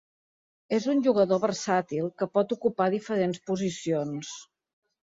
És un jugador versàtil que pot ocupar diferents posicions.